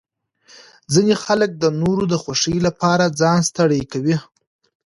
ځینې خلک د نورو د خوښۍ لپاره ځان ستړی کوي.